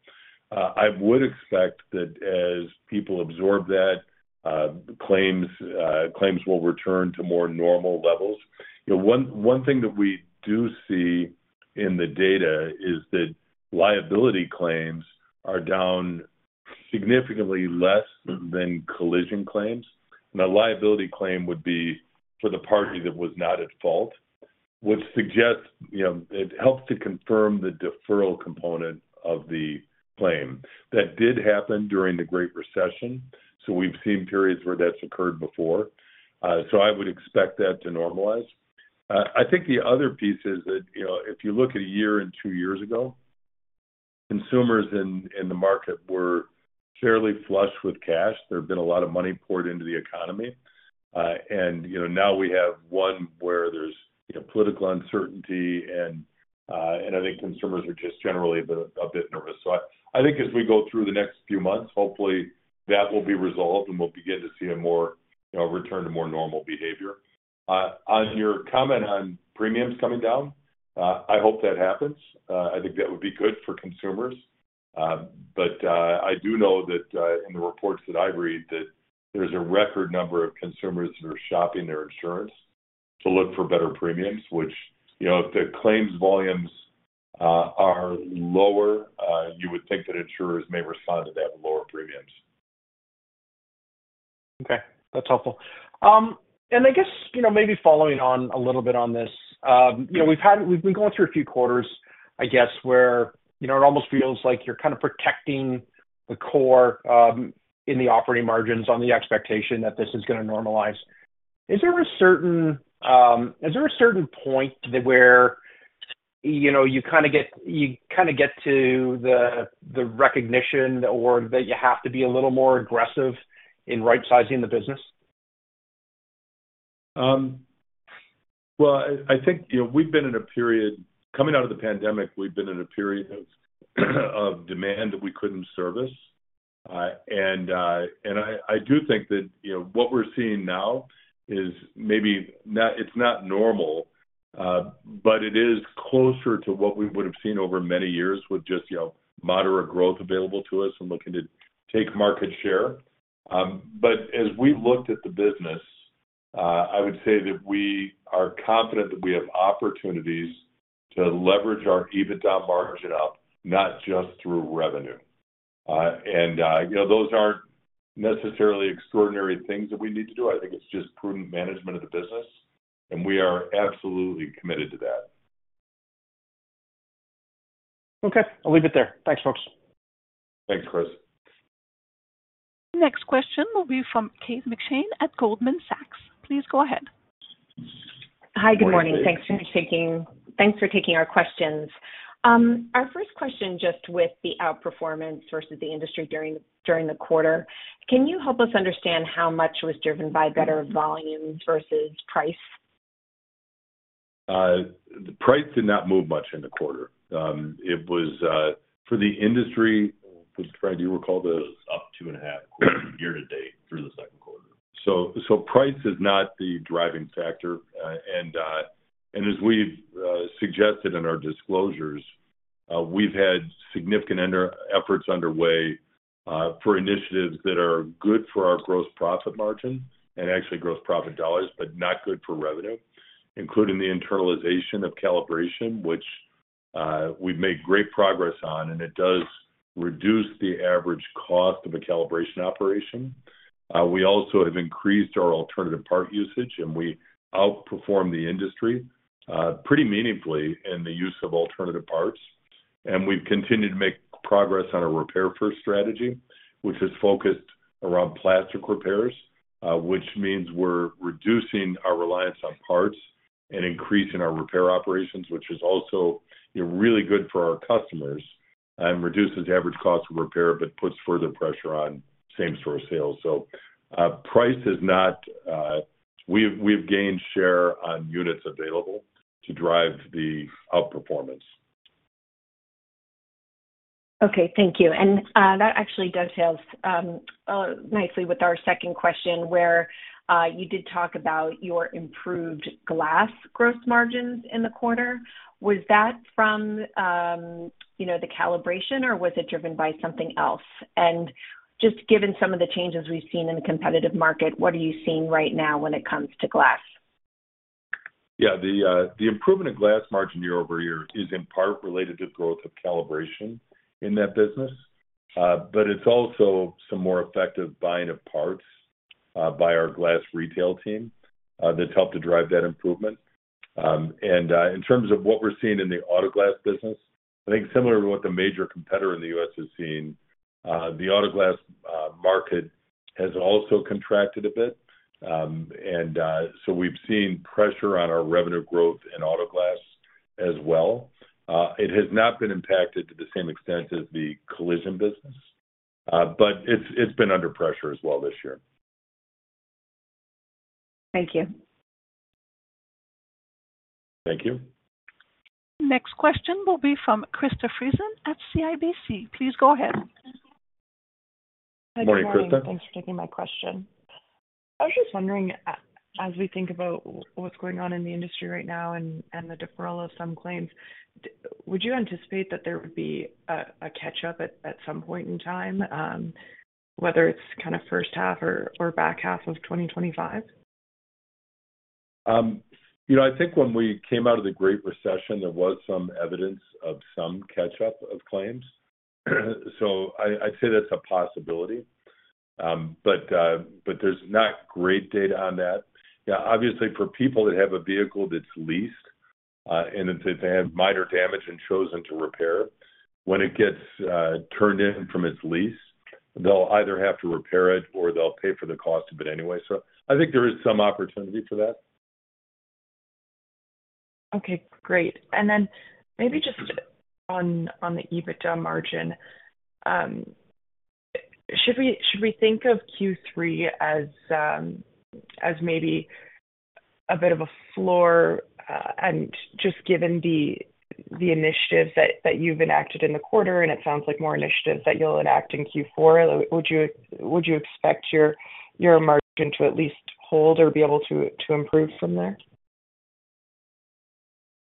I would expect that as people absorb that, claims will return to more normal levels. One thing that we do see in the data is that liability claims are down significantly less than collision claims. And a liability claim would be for the party that was not at fault, which suggests it helps to confirm the deferral component of the claim. That did happen during the Great Recession. So we've seen periods where that's occurred before. So I would expect that to normalize. I think the other piece is that if you look at a year and two years ago, consumers in the market were fairly flush with cash. There had been a lot of money poured into the economy. And now we have one where there's political uncertainty. And I think consumers are just generally a bit nervous. So I think as we go through the next few months, hopefully, that will be resolved, and we'll begin to see a return to more normal behavior. On your comment on premiums coming down, I hope that happens. I think that would be good for consumers. But I do know that in the reports that I read, that there's a record number of consumers that are shopping their insurance to look for better premiums, which if the claims volumes are lower, you would think that insurers may respond to that with lower premiums. Okay. That's helpful. And I guess maybe following on a little bit on this, we've been going through a few quarters, I guess, where it almost feels like you're kind of protecting the core in the operating margins on the expectation that this is going to normalize. Is there a certain point where you kind of get to the recognition or that you have to be a little more aggressive in right-sizing the business? Well, I think we've been in a period coming out of the pandemic, we've been in a period of demand that we couldn't service. And I do think that what we're seeing now is maybe it's not normal, but it is closer to what we would have seen over many years with just moderate growth available to us and looking to take market share. But as we've looked at the business, I would say that we are confident that we have opportunities to leverage our EBITDA margin up, not just through revenue. And those aren't necessarily extraordinary things that we need to do. I think it's just prudent management of the business. And we are absolutely committed to that. Okay. I'll leave it there. Thanks, folks. Thanks, Chris. Next question will be from Kate McShane at Goldman Sachs. Please go ahead. Hi. Good morning. Thanks for taking our questions. Our first question just with the outperformance versus the industry during the quarter. Can you help us understand how much was driven by better volumes versus price? The price did not move much in the quarter. For the industry, I do recall the up two and a half quarters year to date through the second quarter. So price is not the driving factor. As we've suggested in our disclosures, we've had significant efforts underway for initiatives that are good for our gross profit margin and actually gross profit dollars, but not good for revenue, including the internalization of calibration, which we've made great progress on. It does reduce the average cost of a calibration operation. We also have increased our alternative part usage, and we outperform the industry pretty meaningfully in the use of alternative parts. We've continued to make progress on a Repair First strategy, which is focused around plastic repairs, which means we're reducing our reliance on parts and increasing our repair operations, which is also really good for our customers and reduces average cost of repair, but puts further pressure on same-store sales. So, price is not. We've gained share on units available to drive the outperformance. Okay. Thank you. And that actually dovetails nicely with our second question where you did talk about your improved glass gross margins in the quarter. Was that from the calibration, or was it driven by something else? And just given some of the changes we've seen in the competitive market, what are you seeing right now when it comes to glass? Yeah. The improvement of glass margin year over year is in part related to growth of calibration in that business. But it's also some more effective buying of parts by our glass retail team that's helped to drive that improvement. And in terms of what we're seeing in the auto glass business, I think similar to what the major competitor in the U.S. is seeing, the auto glass market has also contracted a bit. And so we've seen pressure on our revenue growth in auto glass as well. It has not been impacted to the same extent as the collision business, but it's been under pressure as well this year. Thank you. Thank you. Next question will be from Krista Friesen at CIBC. Please go ahead. Good morning, Krista. Thanks for taking my question. I was just wondering, as we think about what's going on in the industry right now and the deferral of some claims, would you anticipate that there would be a catch-up at some point in time, whether it's kind of first half or back half of 2025? I think when we came out of the Great Recession, there was some evidence of some catch-up of claims. So I'd say that's a possibility. But there's not great data on that. Now, obviously, for people that have a vehicle that's leased and that they have minor damage and chosen to repair, when it gets turned in from its lease, they'll either have to repair it or they'll pay for the cost of it anyway. So I think there is some opportunity for that. Okay. Great. And then maybe just on the EBITDA margin, should we think of Q3 as maybe a bit of a floor? And just given the initiatives that you've enacted in the quarter, and it sounds like more initiatives that you'll enact in Q4, would you expect your margin to at least hold or be able to improve from there?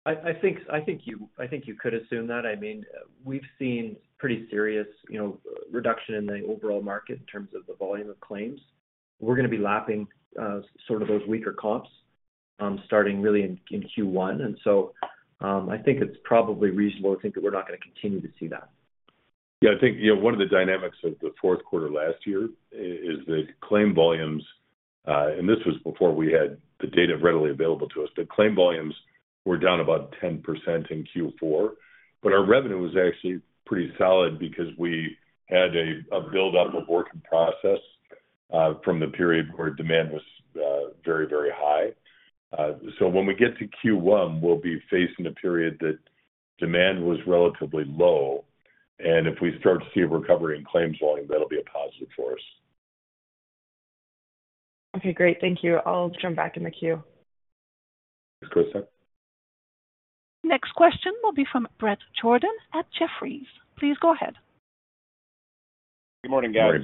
I think you could assume that. I mean, we've seen pretty serious reduction in the overall market in terms of the volume of claims. We're going to be lapping sort of those weaker comps starting really in Q1. And so I think it's probably reasonable to think that we're not going to continue to see that. Yeah. I think one of the dynamics of the fourth quarter last year is that claim volumes, and this was before we had the data readily available to us, but claim volumes were down about 10% in Q4. But our revenue was actually pretty solid because we had a build-up of work in process from the period where demand was very, very high. So when we get to Q1, we'll be facing a period that demand was relatively low. And if we start to see a recovery in claims volume, that'll be a positive for us. Okay. Great. Thank you. I'll jump back in the queue. Thanks, Krista. Next question will be from Bret Jordan at Jefferies. Please go ahead. Good morning, guys.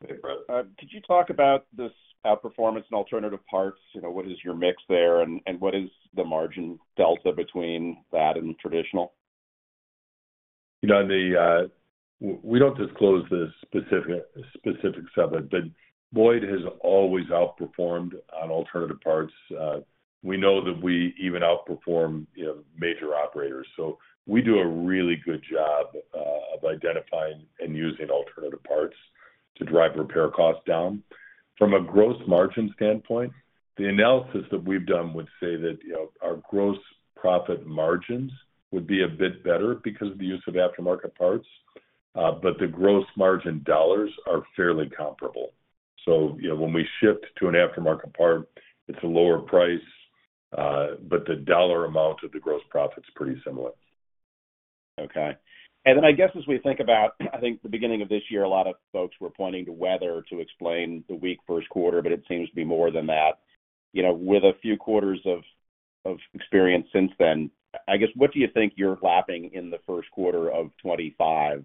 Hey, Bret. Hey, Bret. Could you talk about this outperformance and alternative parts? What is your mix there, and what is the margin delta between that and traditional? We don't disclose the specifics of it, but Boyd has always outperformed on alternative parts. We know that we even outperform major operators. So we do a really good job of identifying and using alternative parts to drive repair costs down. From a gross margin standpoint, the analysis that we've done would say that our gross profit margins would be a bit better because of the use of aftermarket parts. But the gross margin dollars are fairly comparable. So when we shift to an aftermarket part, it's a lower price, but the dollar amount of the gross profit's pretty similar. Okay. Then I guess as we think about, I think the beginning of this year, a lot of folks were pointing to weather to explain the weak first quarter, but it seems to be more than that. With a few quarters of experience since then, I guess, what do you think you're lapping in the first quarter of 2025?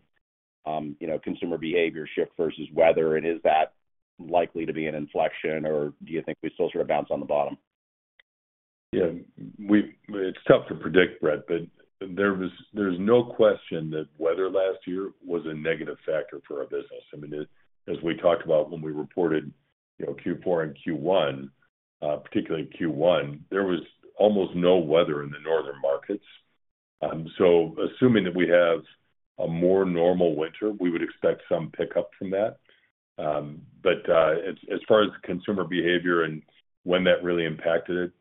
Consumer behavior shift versus weather, and is that likely to be an inflection, or do you think we still sort of bounce on the bottom? Yeah. It's tough to predict, Bret, but there's no question that weather last year was a negative factor for our business. I mean, as we talked about when we reported Q4 and Q1, particularly Q1, there was almost no weather in the northern markets. So assuming that we have a more normal winter, we would expect some pickup from that. But as far as consumer behavior and when that really impacted it,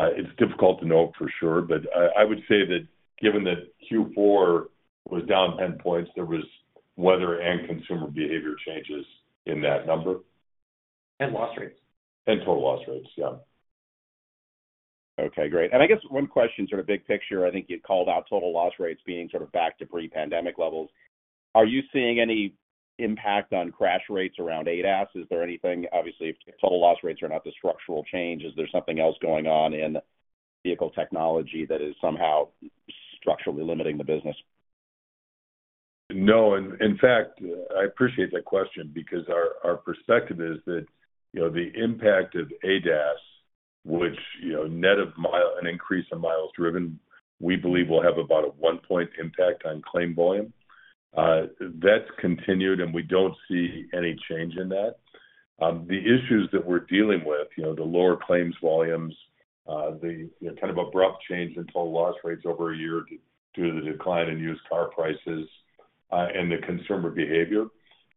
it's difficult to know for sure. But I would say that given that Q4 was down 10 points, there was weather and consumer behavior changes in that number. And loss rates. And total loss rates, yeah. Okay. Great. And I guess one question, sort of big picture, I think you called out total loss rates being sort of back to pre-pandemic levels. Are you seeing any impact on crash rates around ADAS? Is there anything? Obviously, if total loss rates are not the structural change, is there something else going on in vehicle technology that is somehow structurally limiting the business? No. In fact, I appreciate that question because our perspective is that the impact of ADAS, which net of miles and increase of miles driven, we believe will have about a one-point impact on claim volume. That's continued, and we don't see any change in that. The issues that we're dealing with, the lower claims volumes, the kind of abrupt change in total loss rates over a year due to the decline in used car prices, and the consumer behavior,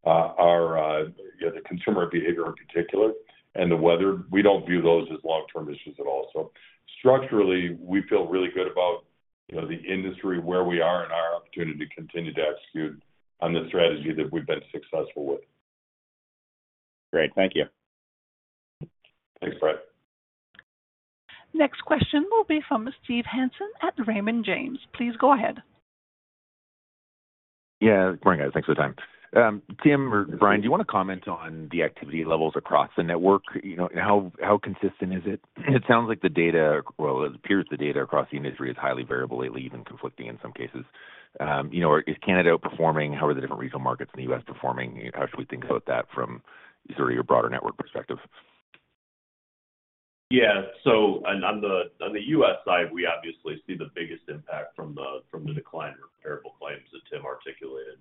the consumer behavior in particular, and the weather, we don't view those as long-term issues at all. So structurally, we feel really good about the industry, where we are, and our opportunity to continue to execute on the strategy that we've been successful with. Great. Thank you. Thanks, Bret. Next question will be from Steve Hansen at Raymond James. Please go ahead. Yeah. Good morning, guys. Thanks for the time. Tim or Brian, do you want to comment on the activity levels across the network? How consistent is it? It sounds like the data, well, it appears the data across the industry is highly variable, even conflicting in some cases. Is Canada outperforming? How are the different regional markets in the U.S. performing? How should we think about that from sort of your broader network perspective? Yeah, so on the U.S. side, we obviously see the biggest impact from the decline in repairable claims that Tim articulated.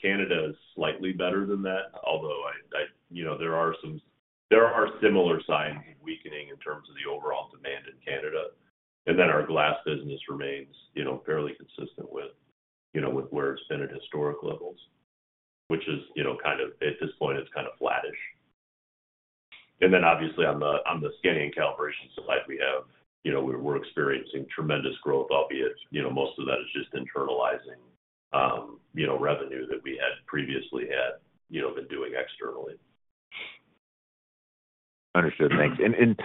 Canada is slightly better than that, although there are similar signs of weakening in terms of the overall demand in Canada, and then our glass business remains fairly consistent with where it's been at historic levels, which is kind of at this point, it's kind of flattish, and then obviously, on the scanning and calibration side, we're experiencing tremendous growth, albeit most of that is just internalizing revenue that we had previously had been doing externally. Understood. Thanks. And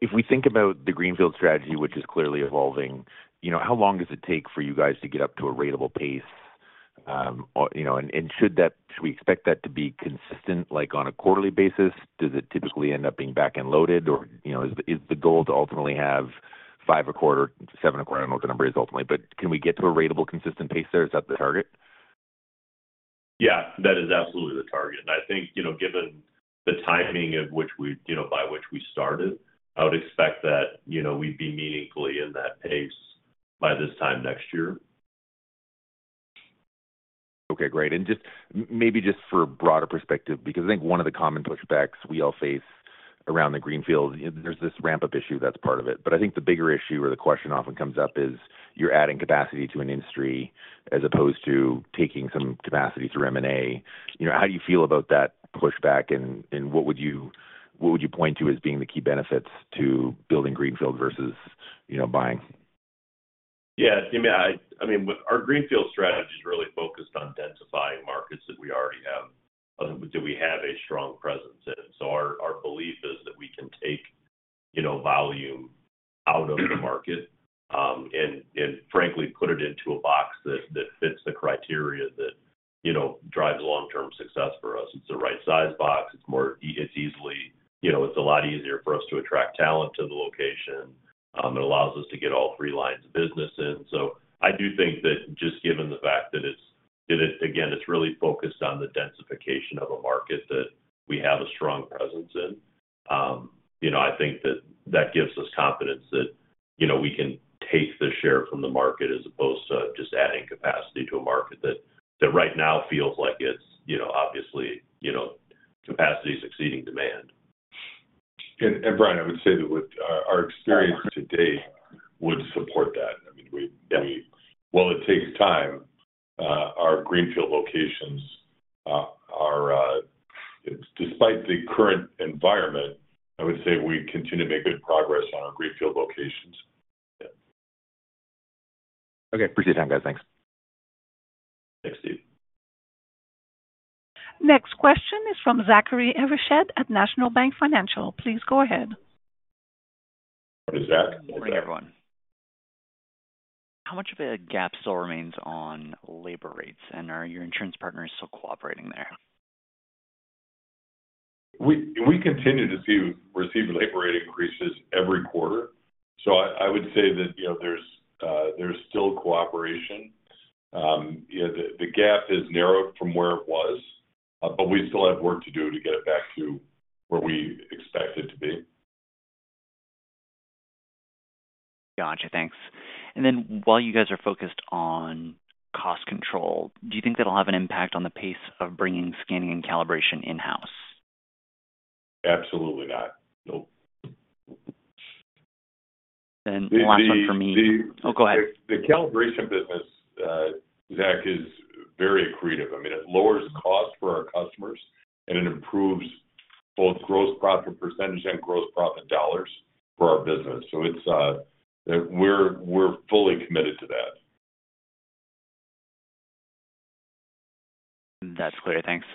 if we think about the greenfield strategy, which is clearly evolving, how long does it take for you guys to get up to a rateable pace? And should we expect that to be consistent on a quarterly basis? Does it typically end up being back-end loaded? Or is the goal to ultimately have five a quarter, seven a quarter? I don't know what the number is ultimately, but can we get to a rateable consistent pace there? Is that the target? Yeah. That is absolutely the target. And I think given the timing by which we started, I would expect that we'd be meaningfully in that pace by this time next year. Okay. Great. And maybe just for a broader perspective, because I think one of the common pushbacks we all face around the greenfield, there's this ramp-up issue that's part of it. But I think the bigger issue or the question often comes up is you're adding capacity to an industry as opposed to taking some capacity through M&A. How do you feel about that pushback, and what would you point to as being the key benefits to building greenfield versus buying? Yeah. I mean, our greenfield strategy is really focused on densifying markets that we already have that we have a strong presence in. So our belief is that we can take volume out of the market and, frankly, put it into a box that fits the criteria that drives long-term success for us. It's the right-sized box. It's easily. It's a lot easier for us to attract talent to the location. It allows us to get all three lines of business in. So I do think that just given the fact that, again, it's really focused on the densification of a market that we have a strong presence in. I think that that gives us confidence that we can take the share from the market as opposed to just adding capacity to a market that right now feels like it's obviously capacity exceeding demand. And Brian, I would say that with our experience to date would support that. I mean, while it takes time, our greenfield locations, despite the current environment, I would say we continue to make good progress on our greenfield locations. Yeah. Okay. Appreciate your time, guys. Thanks. Thanks, Steve. Next question is from Zachary Evershed at National Bank Financial. Please go ahead. Morning, Zach. Morning, everyone. How much of a gap still remains on labor rates, and are your insurance partners still cooperating there? We continue to receive labor rate increases every quarter. So I would say that there's still cooperation. The gap has narrowed from where it was, but we still have work to do to get it back to where we expect it to be. Gotcha. Thanks. And then while you guys are focused on cost control, do you think that'll have an impact on the pace of bringing scanning and calibration in-house? Absolutely not. No. Then the last one for me, oh, go ahead. The calibration business, Zach, is very accretive. I mean, it lowers costs for our customers, and it improves both gross profit percentage and gross profit dollars for our business. So we're fully committed to that. That's clear. Thanks.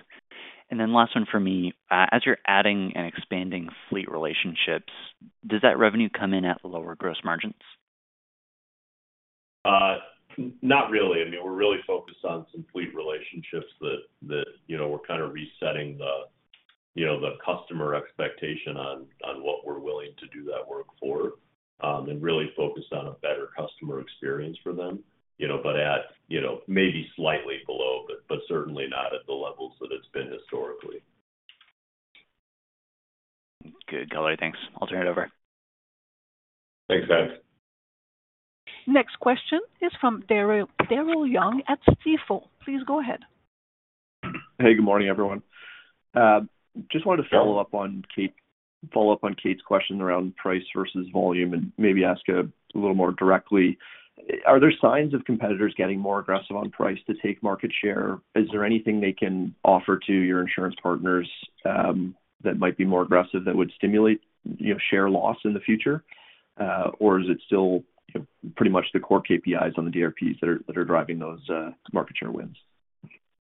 And then last one for me. As you're adding and expanding fleet relationships, does that revenue come in at lower gross margins? Not really. I mean, we're really focused on some fleet relationships that we're kind of resetting the customer expectation on what we're willing to do that work for and really focus on a better customer experience for them, but at maybe slightly below, but certainly not at the levels that it's been historically. Good. Okay thanks. I'll turn it over. Thanks, guys. Next question is from Daryl Young at Scotiabank. Please go ahead. Hey, good morning, everyone. Just wanted to follow up on Kate's question around price versus volume and maybe ask a little more directly. Are there signs of competitors getting more aggressive on price to take market share? Is there anything they can offer to your insurance partners that might be more aggressive that would stimulate share loss in the future? Or is it still pretty much the core KPIs on the DRPs that are driving those market share wins?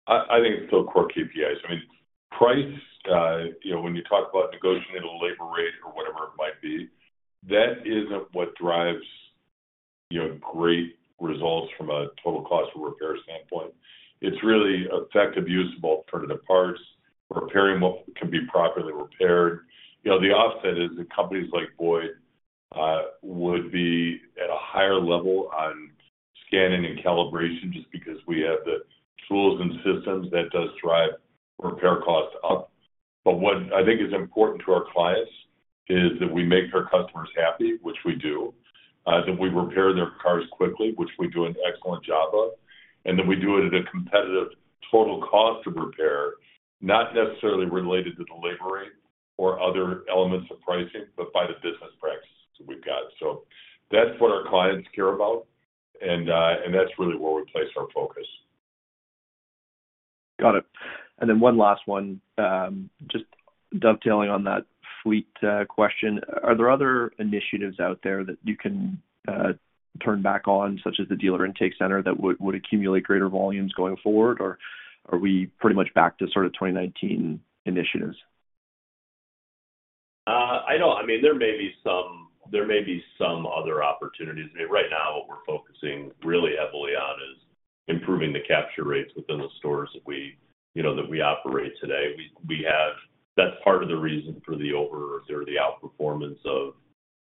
I think it's still core KPIs. I mean, price, when you talk about negotiating a labor rate or whatever it might be, that isn't what drives great results from a total cost of repair standpoint. It's really effective use of alternative parts, repairing what can be properly repaired. The offset is that companies like Boyd would be at a higher level on scanning and calibration just because we have the tools and systems that does drive repair costs up. But what I think is important to our clients is that we make our customers happy, which we do, that we repair their cars quickly, which we do an excellent job of, and that we do it at a competitive total cost of repair, not necessarily related to the labor rate or other elements of pricing, but by the business practices that we've got. So that's what our clients care about, and that's really where we place our focus. Got it. And then one last one, just dovetailing on that fleet question. Are there other initiatives out there that you can turn back on, such as the dealer intake center, that would accumulate greater volumes going forward, or are we pretty much back to sort of 2019 initiatives? I don't know. I mean, there may be some other opportunities. I mean, right now, what we're focusing really heavily on is improving the capture rates within the stores that we operate today. That's part of the reason for the over or the outperformance of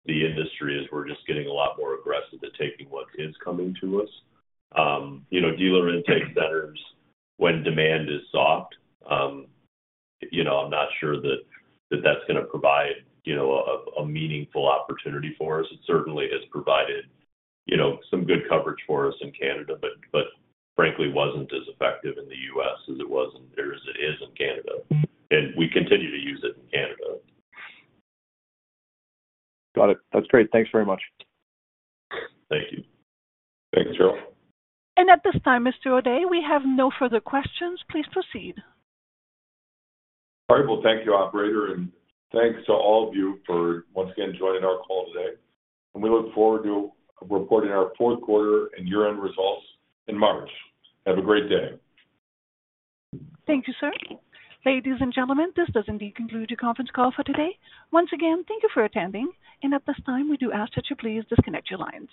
the industry is we're just getting a lot more aggressive at taking what is coming to us. Dealer intake centers, when demand is soft, I'm not sure that that's going to provide a meaningful opportunity for us. It certainly has provided some good coverage for us in Canada, but frankly, wasn't as effective in the U.S. as it was in Canada and we continue to use it in Canada. Got it. That's great. Thanks very much. Thank you. Thanks, Daryl.. And at this time, Mr. O'Day, we have no further questions. Please proceed. All right. Well, thank you, operator, and thanks to all of you for once again joining our call today. And we look forward to reporting our fourth quarter and year-end results in March. Have a great day. Thank you, sir. Ladies and gentlemen, this does indeed conclude your conference call for today. Once again, thank you for attending. And at this time, we do ask that you please disconnect your lines.